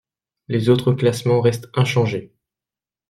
Les autres classements restent inchangés.